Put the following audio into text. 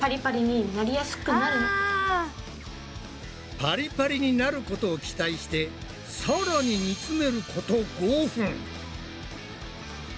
パリパリになることを期待してさらに煮つめること５分。